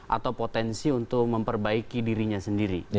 atau potensi untuk memperbaiki dirinya sendiri